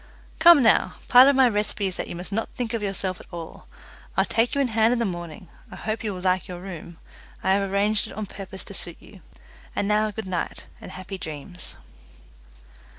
"Come now, part of my recipe is that you must not think of yourself at all. I'll take you in hand in the morning. I hope you will like your room; I have arranged it on purpose to suit you. And now good night, and happy dreams."